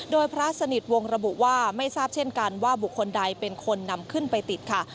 โดยพระสนิทวงศ์ระบุว่าไม่ทราบเช่นกันว่าบุคคลใดเป็นคนนำขึ้นไปติดค่ะ